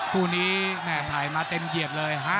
คู่นี้ถ่ายมาเต็มเกียรติเลย